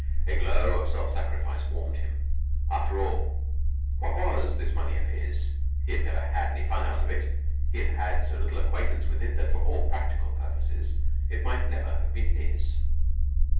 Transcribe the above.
A glow of self sacrifice warmed him. After all, what was this money of his? He had never had any fun out of it. He had had so little acquaintance with it that for all practical purposes it might never have been his.